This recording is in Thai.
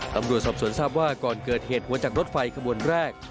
ตำรวจสอบสวนทราบว่าก่อนเกิดเหตุหัวจากรถไฟขบวนแรก